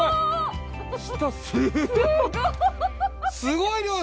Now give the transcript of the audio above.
下すごい！